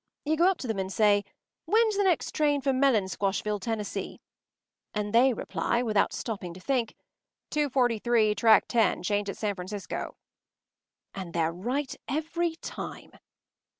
You go up to them and say: “When’s the next train for Melonsquashville, Tennessee?” and they reply, without stopping to think, “Two forty three, track ten, change at San Francisco.” And they’re right every time.